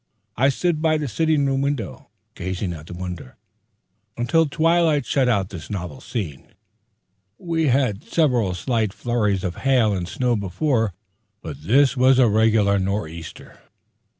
I stood by the sitting room window gazing at the wonder until twilight shut out the novel scene. We had had several slight flurries of hail and snow before, but this was a regular nor'easter.